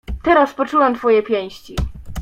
"Teraz poczułem twoje pięści."